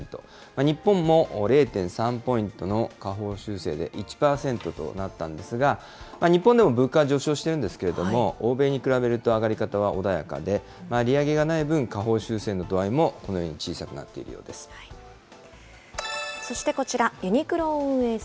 日本も０．３ポイントの下方修正で１％となったんですが、日本でも物価は上昇してるんですけれども、欧米に比べると上がり方は穏やかで、利上げがない分、下方修正の度合いもこのように小さくなっているようです。